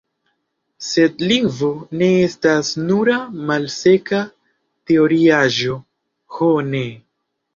Sed lingvo ne estas nura malseka teoriaĵo, ho ne!